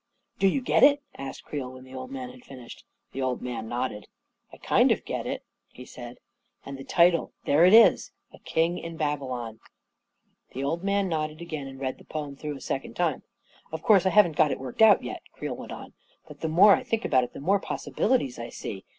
" Do you get it? n asked Creel, when the old man had finished. The old man nodded. " I kind of get it," he said. 11 And the title — there it is —* A King in Baby Ion/ " 1 A KING IN BABYLON 17 The old man nodded again, and read the poem thr ough a second time. " Of course I haven't got it worked out yet," Creel w tent on, " but the more I think about it, the more possibilities I see.